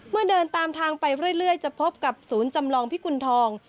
เดินตามทางไปเรื่อยจะพบกับศูนย์จำลองพิกุณฑอง